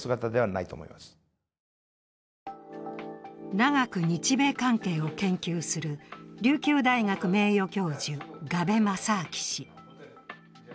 長く日米関係を研究する琉球大学名誉教授、我部政明氏。